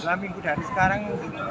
selama minggu dari sekarang